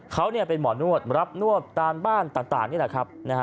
เขาเป็นหมอนวดรับนวดตามบ้านต่างนี่แหละครับ